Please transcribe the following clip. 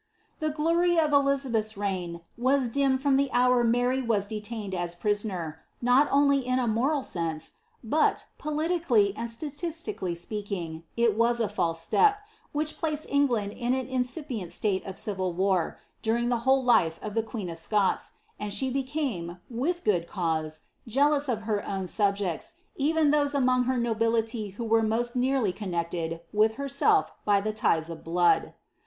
The glory of Elizabeth's reign was dimmed from the hour Mary was detained a prisoner, not only in a moral sense, but, politically and sta tistically speaking, it was a false step^ which placed England in an inci pient state of civil war, during the whole life of the queen of Scots, and she became, with good cause, jealous of her own subjects, even those among her nobility who were most nearly connected with herself by the ties of blood.